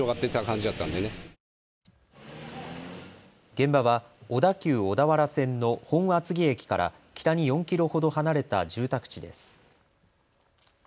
現場は小田急小田原線の本厚木駅から北に４キロほど離れた住宅地です。